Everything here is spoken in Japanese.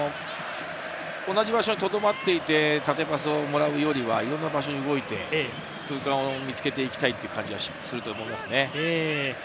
同じ場所にとどまっていて縦パスをもらうよりはいろんな場所に動いて、空間を見つけていきたいという感じがすると思います。